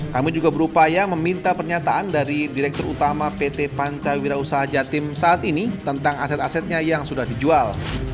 kami juga berupaya meminta pernyataan dari direktur utama pt pancawira usaha jatim saat ini tentang aset asetnya yang sudah dijual